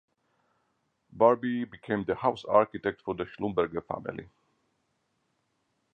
Barbe became the "house architect" for the Schlumberger family.